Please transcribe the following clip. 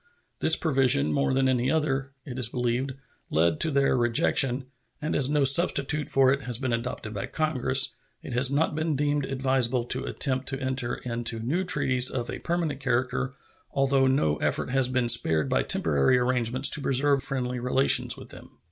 This provision, more than any other, it is believed, led to their rejection; and as no substitute for it has been adopted by Congress, it has not been deemed advisable to attempt to enter into new treaties of a permanent character, although no effort has been spared by temporary arrangements to preserve friendly relations with them.